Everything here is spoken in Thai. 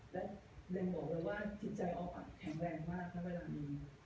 และเรียนบอกว่าถิดใจออกแข็งแรงมากทั้งเวลานี้